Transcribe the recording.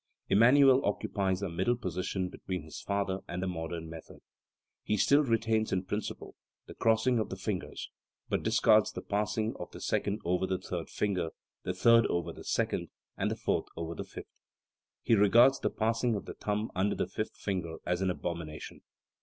Emmanuel occupies a middle position between his father and the modern method. He still retains, in principle, the crossing of the fingers, but discards the passing of the second over the third finger, the third over the second, and the fourth over the fifth. He regards the passing of the thumb under the fifth finger as an abomination.